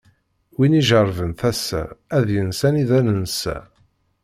Win ijeṛben tasa, ad yens anida nensa.